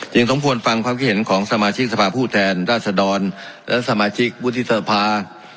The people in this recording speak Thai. สมควรฟังความคิดเห็นของสมาชิกสภาพผู้แทนราชดรและสมาชิกวุฒิสภา